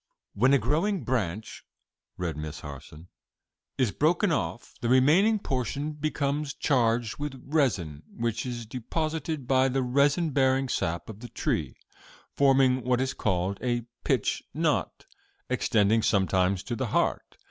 "'When a growing branch,'" read Miss Harson, "'is broken off, the remaining portion becomes charged with resin,' which is deposited by the resin bearing sap of the tree, 'forming what is called a pitch knot, extending sometimes to the heart.